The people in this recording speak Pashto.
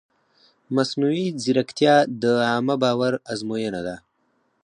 مصنوعي ځیرکتیا د عامه باور ازموینه ده.